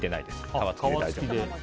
皮付きで大丈夫です。